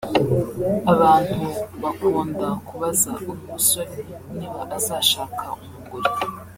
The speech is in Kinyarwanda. Abantu bakunda kubaza uyu musore niba azashaka umugore